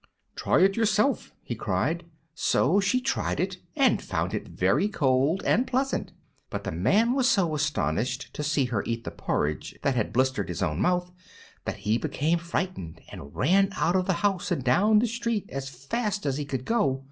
"Try it yourself!" he cried. So she tried it and found it very cold and pleasant. But the Man was so astonished to see her eat the porridge that had blistered his own mouth that he became frightened and ran out of the house and down the street as fast as he could go.